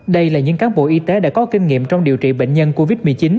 đây là những cán bộ y tế đã có kinh nghiệm trong điều trị bệnh nhân covid một mươi chín